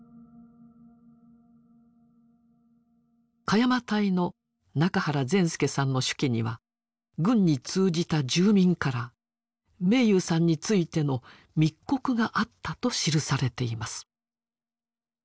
鹿山隊の仲原善助さんの手記には軍に通じた住民から明勇さんについての密告があったと記されています。